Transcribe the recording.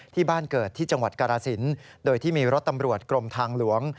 ที่บ้านเกิดที่จังหวัดกรสินโดยที่มีรถตำรวจกรมทางหลวง